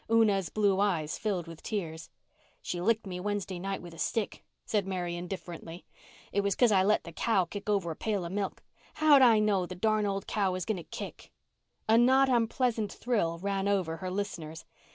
Una's blue eyes filled with tears. "She licked me Wednesday night with a stick," said Mary, indifferently. "It was 'cause I let the cow kick over a pail of milk. How'd I know the darn old cow was going to kick?" A not unpleasant thrill ran over her listeners.